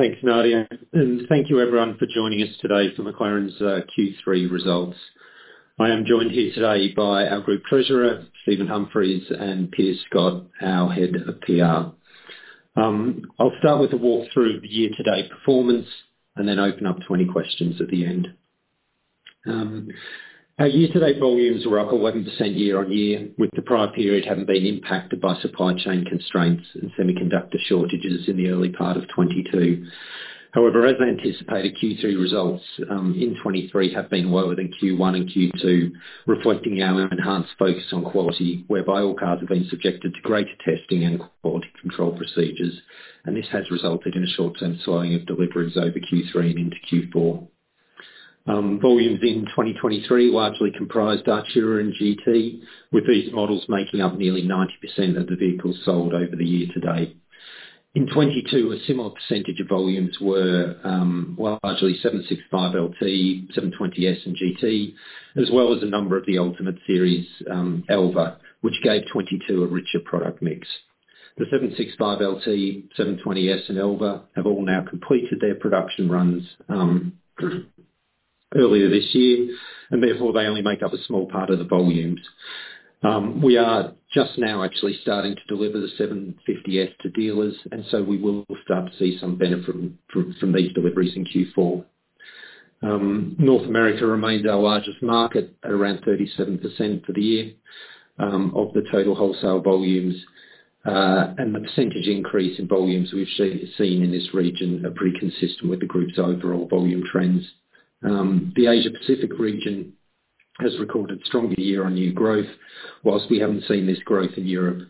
Thanks, Nadia, and thank you everyone for joining us today for McLaren's Q3 results. I am joined here today by our Group Treasurer, Steve Humphreys, and Piers Scott, our Head of PR. I'll start with a walk through of the year-to-date performance and then open up to any questions at the end. Our year-to-date volumes were up 11% year-on-year, with the prior period having been impacted by supply chain constraints and semiconductor shortages in the early part of 2022. However, as anticipated, Q2 results in 2023 have been lower than Q1 and Q2, reflecting our enhanced focus on quality, whereby all cars have been subjected to greater testing and quality control procedures, and this has resulted in a short-term slowing of deliveries over Q3 and into Q4. Volumes in 2023 largely comprised Artura and GT, with these models making up nearly 90% of the vehicles sold over the year to date. In 2022, a similar percentage of volumes were largely 765LT, 720S and GT, as well as a number of the Ultimate Series, Elva, which gave 2022 a richer product mix. The 765LT, 720S, and Elva have all now completed their production runs earlier this year, and therefore they only make up a small part of the volumes. We are just now actually starting to deliver the 750S to dealers, and so we will start to see some benefit from these deliveries in Q4. North America remains our largest market, at around 37% for the year, of the total wholesale volumes. The percentage increase in volumes we've seen in this region is pretty consistent with the group's overall volume trends. The Asia Pacific region has recorded stronger year-on-year growth, while we haven't seen this growth in Europe.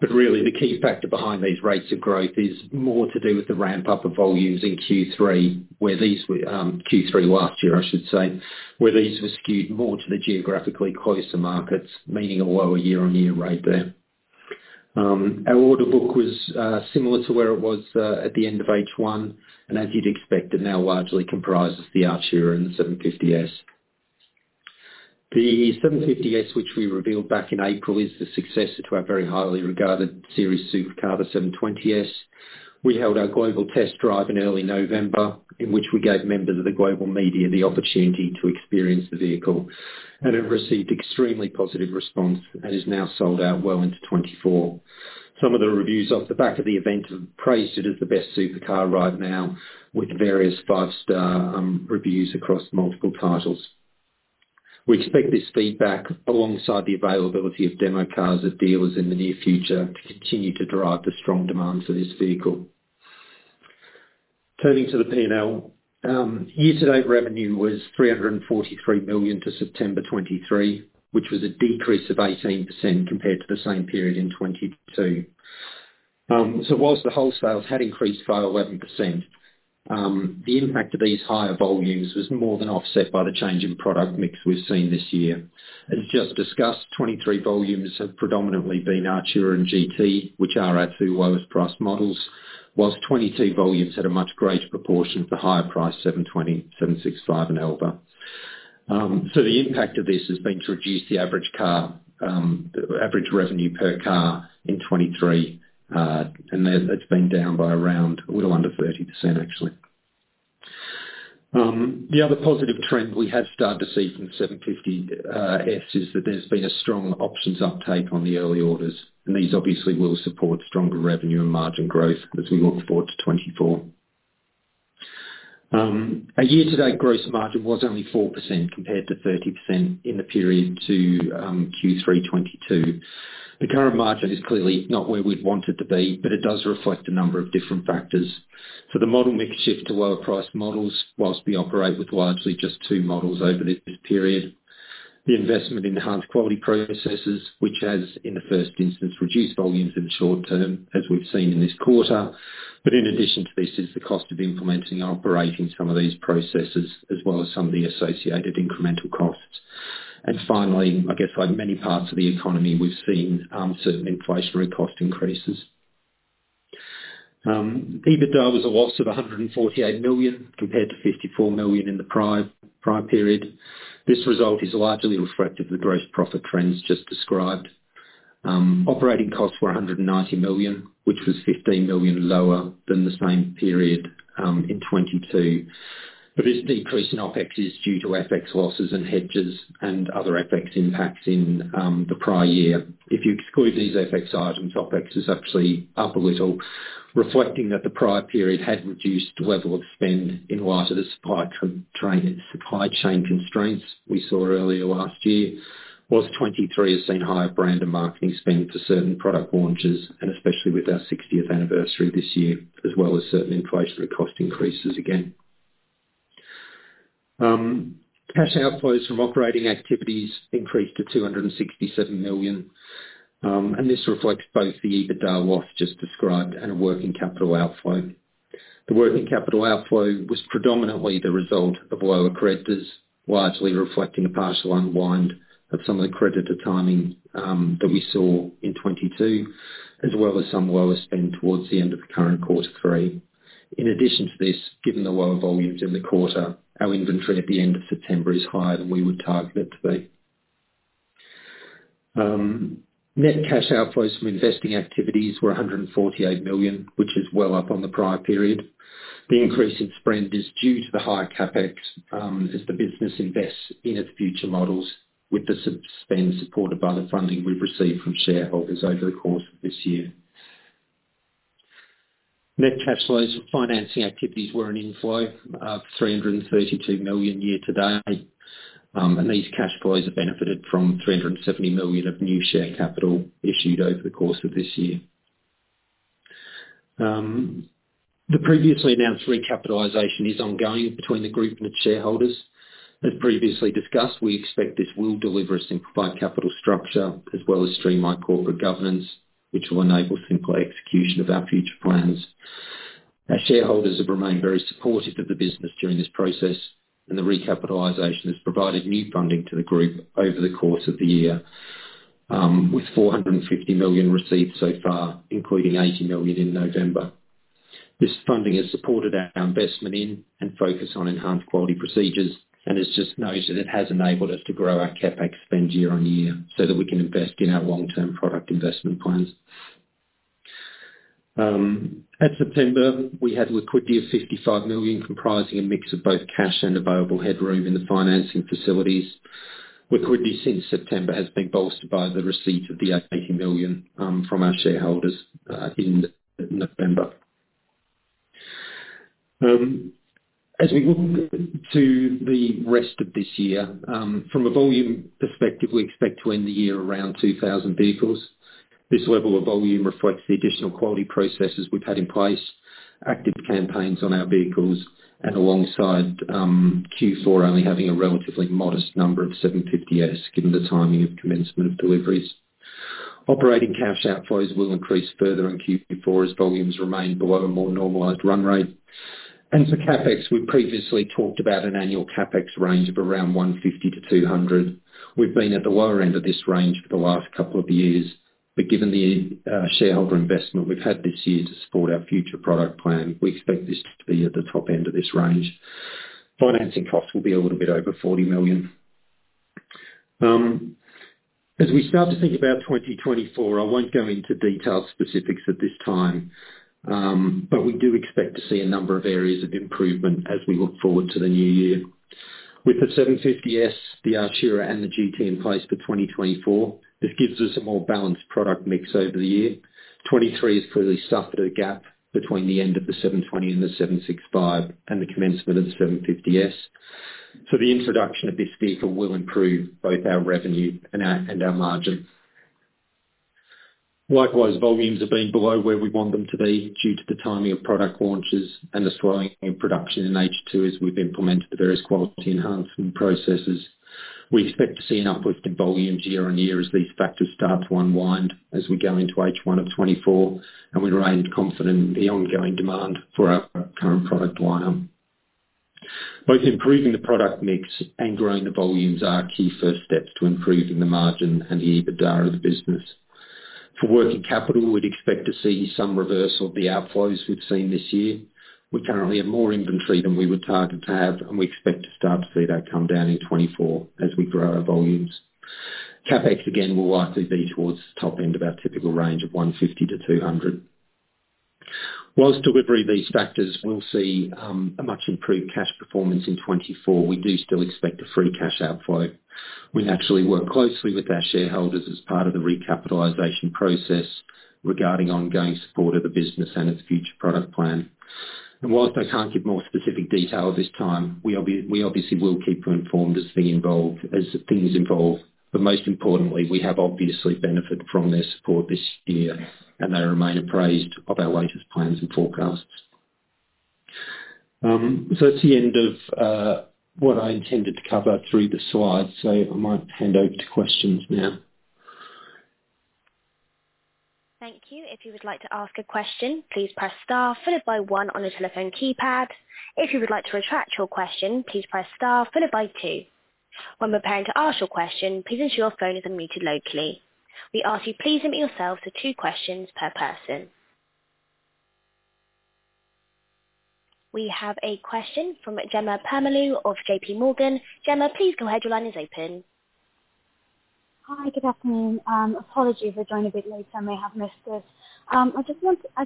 But really, the key factor behind these rates of growth is more to do with the ramp-up of volumes in Q3, where these were Q3 last year, I should say, where these were skewed more to the geographically closer markets, meaning a lower year-on-year rate there. Our order book was similar to where it was at the end of H1, and as you'd expect, it now largely comprises the Artura and the 750S. The 750S, which we revealed back in April, is the successor to our very highly regarded Series Supercar, the 720S. We held our global test drive in early November, in which we gave members of the global media the opportunity to experience the vehicle, and it received extremely positive response and is now sold out well into 2024. Some of the reviews off the back of the event have praised it as the best supercar right now, with various five-star reviews across multiple titles. We expect this feedback, alongside the availability of demo cars at dealers in the near future, to continue to drive the strong demands of this vehicle. Turning to the P&L. Year-to-date revenue was 343 million to September 2023, which was a decrease of 18% compared to the same period in 2022. So while the wholesales had increased by 11%, the impact of these higher volumes was more than offset by the change in product mix we've seen this year. As just discussed, 2023 volumes have predominantly been Artura and GT, which are our two lowest priced models, while 2022 volumes had a much greater proportion of the higher priced 720, 765, and Elva. So the impact of this has been to reduce the average car, the average revenue per car in 2023, and that- it's been down by around a little under 30%, actually. The other positive trend we have started to see from 750S is that there's been a strong options uptake on the early orders, and these obviously will support stronger revenue and margin growth as we look forward to 2024. Our year-to-date gross margin was only 4%, compared to 30% in the period to Q3 2022. The current margin is clearly not where we'd want it to be, but it does reflect a number of different factors. So the model mix shift to lower priced models, whilst we operate with largely just two models over this period. The investment in enhanced quality processes, which has, in the first instance, reduced volumes in the short term, as we've seen in this quarter. But in addition to this is the cost of implementing and operating some of these processes, as well as some of the associated incremental costs. And finally, I guess like many parts of the economy, we've seen certain inflationary cost increases. EBITDA was a loss of 148 million, compared to 54 million in the prior prior period. This result is largely reflective of the gross profit trends just described. Operating costs were 190 million, which was 15 million lower than the same period in 2022. But this decrease in OpEx is due to FX losses and hedges and other FX impacts in the prior year. If you exclude these FX items, OpEx is actually up a little, reflecting that the prior period had reduced the level of spend in light of the supply chain constraints we saw earlier last year. While 2023 has seen higher brand and marketing spend for certain product launches, and especially with our 60th anniversary this year, as well as certain inflationary cost increases again. Cash outflows from operating activities increased to 267 million, and this reflects both the EBITDA loss just described and a working capital outflow. The working capital outflow was predominantly the result of lower creditors, largely reflecting a partial unwind of some of the creditor timing, that we saw in 2022, as well as some lower spend towards the end of the current quarter three. In addition to this, given the lower volumes in the quarter, our inventory at the end of September is higher than we would target it to be. Net cash outflows from investing activities were 148 million, which is well up on the prior period. The increase in spend is due to the higher CapEx, as the business invests in its future models with the [subsequent spend], supported by the funding we've received from shareholders over the course of this year. Net cash flows from financing activities were an inflow of 332 million year to date, and these cash flows have benefited from 370 million of new share capital issued over the course of this year. The previously announced recapitalization is ongoing between the group and its shareholders. As previously discussed, we expect this will deliver a simplified capital structure as well as streamline corporate governance, which will enable simpler execution of our future plans. Our shareholders have remained very supportive of the business during this process, and the recapitalization has provided new funding to the group over the course of the year, with 450 million received so far, including 80 million in November. This funding has supported our investment in, and focus on enhanced quality procedures, and as just noted, it has enabled us to grow our CapEx spend year-on-year, so that we can invest in our long-term product investment plans. At September, we had liquidity of 55 million, comprising a mix of both cash and available headroom in the financing facilities. Liquidity since September has been bolstered by the receipt of the 80 million from our shareholders in November. As we look to the rest of this year, from a volume perspective, we expect to end the year around 2,000 vehicles. This level of volume reflects the additional quality processes we've had in place, active campaigns on our vehicles, and alongside, Q4 only having a relatively modest number of 750S, given the timing of commencement of deliveries. Operating cash outflows will increase further in Q4 as volumes remain below a more normalized run rate. For CapEx, we previously talked about an annual CapEx range of around 150 million-200 million. We've been at the lower end of this range for the last couple of years, but given the shareholder investment we've had this year to support our future product plan, we expect this to be at the top end of this range. Financing costs will be a little bit over 40 million. As we start to think about 2024, I won't go into detailed specifics at this time, but we do expect to see a number of areas of improvement as we look forward to the new year. With the 750S, the Artura, and the GT in place for 2024, this gives us a more balanced product mix over the year. 2023 has clearly suffered a gap between the end of the 720S and the 765LT and the commencement of the 750S. So the introduction of this vehicle will improve both our revenue and our margins. Likewise, volumes have been below where we want them to be due to the timing of product launches and the slowing in production in H2, as we've implemented the various quality enhancement processes. We expect to see an uplift in volumes year-on-year as these factors start to unwind, as we go into H1 of 2024, and we remain confident in the ongoing demand for our current product lineup. Both improving the product mix and growing the volumes are our key first steps to improving the margin and the EBITDA of the business. For working capital, we'd expect to see some reversal of the outflows we've seen this year. We currently have more inventory than we would target to have, and we expect to start to see that come down in 2024 as we grow our volumes. CapEx, again, will likely be towards the top end of our typical range of 150-200. While delivery of these factors will see a much improved cash performance in 2024, we do still expect a free cash outflow. We've actually worked closely with our shareholders as part of the recapitalization process regarding ongoing support of the business and its future product plan. While I can't give more specific detail at this time, we obviously will keep you informed as things evolve. But most importantly, we have obviously benefited from their support this year, and they remain apprised of our latest plans and forecasts. So that's the end of what I intended to cover through the slides. So I might hand over to questions now. Thank you. If you would like to ask a question, please press star followed by one on your telephone keypad. If you would like to retract your question, please press star followed by two. When preparing to ask your question, please ensure your phone is unmuted locally. We ask you please limit yourself to two questions per person. We have a question from Jemma Permalloo of JPMorgan. Jemma, please go ahead. Your line is open. Hi, good afternoon. Apologies for joining a bit late, I may have missed it. I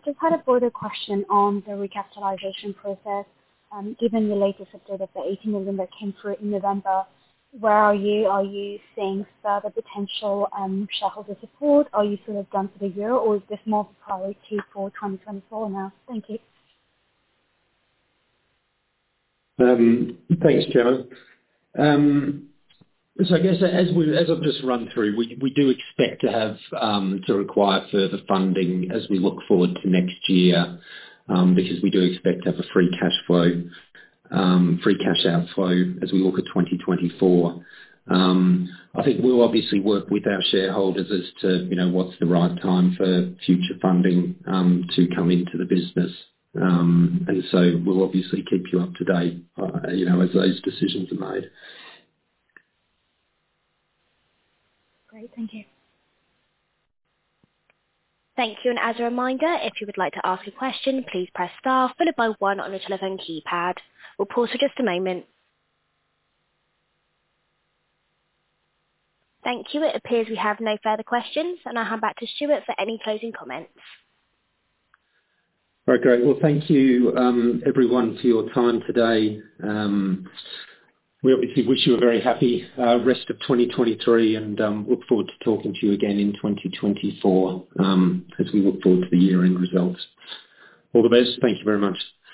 just had a broader question on the recapitalization process. Given the latest update of the 80 million that came through in November, where are you? Are you seeing further potential, shareholder support? Are you sort of done for the year, or is this more priority for 2024 now? Thank you. Thanks, Jemma. So I guess as we've just run through, we do expect to have to require further funding as we look forward to next year, because we do expect to have a free cash flow, free cash outflow as we look at 2024. I think we'll obviously work with our shareholders as to, you know, what's the right time for future funding to come into the business. So we'll obviously keep you up to date, you know, as those decisions are made. Great. Thank you. Thank you, and as a reminder, if you would like to ask a question, please press star followed by one on your telephone keypad. We'll pause for just a moment. Thank you. It appears we have no further questions, and I'll hand back to Stuart for any closing comments. Very great. Well, thank you, everyone, for your time today. We obviously wish you a very happy, rest of 2023 and, look forward to talking to you again in 2024, as we look forward to the year-end results. All the best. Thank you very much.